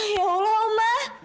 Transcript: ya allah oma